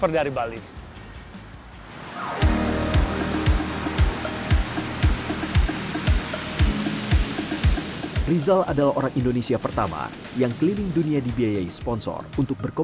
dia menang itu mengalami dengan berat